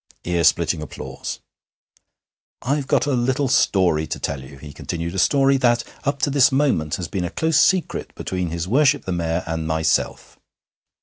Ear splitting applause. 'I've got a little story to tell you,' he continued 'a story that up to this moment has been a close secret between his Worship the Mayor and myself.'